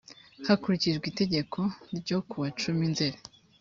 hakurikijwe itegeko no ryo kuwa cumi nzeri